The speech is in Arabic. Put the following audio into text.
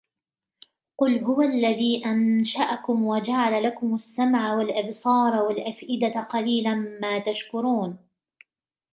قُلْ هُوَ الَّذِي أَنْشَأَكُمْ وَجَعَلَ لَكُمُ السَّمْعَ وَالْأَبْصَارَ وَالْأَفْئِدَةَ قَلِيلًا مَا تَشْكُرُونَ